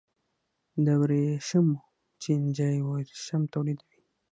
د ورېښمو چینجی ورېښم تولیدوي